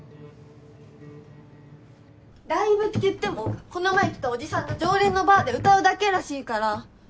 ライブって言ってもこの前来たおじさんが常連のバーで歌うだけらしいから。